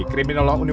tersebut akan menangis